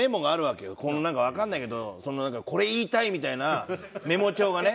なんかわからないけどその「これ言いたい」みたいなメモ帳がね。